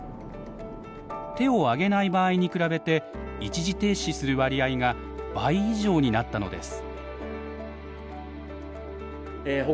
手を上げない場合に比べて一時停止する割合が倍以上になったのです。